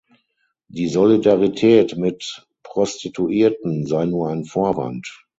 Die „Solidarität mit Prostituierten“ sei nur ein Vorwand.